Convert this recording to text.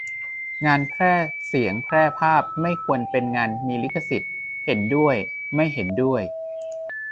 งานแพร่เสียงแพร่ภาพไม่ควรเป็นงานมีลิขสิทธิ์ ? เห็นด้วย ไม่เห็นด้วย